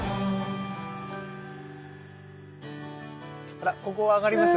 あらここを上がります？